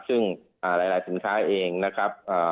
ซึ่งหลายสินค้าเองนะครับ